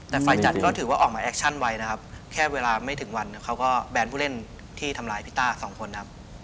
แต่ฝ่ายจัดก็ถือว่าออกมาแอคชั่นไว้นะครับแค่เวลาไม่ถึงวันเขาก็แบนผู้เล่นที่ทำร้ายพี่ต้าสองคนครับ